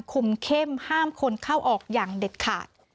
คุมเข้มห้ามคนเข้าออกอย่างเด็ดขาด